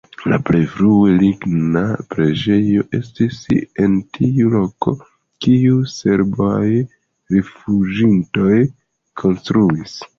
La plej frue ligna preĝejo estis en tiu loko, kiun serbaj rifuĝintoj konstruis.